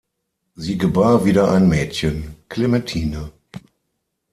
Sie gebar wieder ein Mädchen, Clementine.